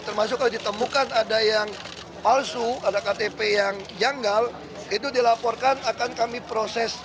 termasuk kalau ditemukan ada yang palsu ada ktp yang janggal itu dilaporkan akan kami proses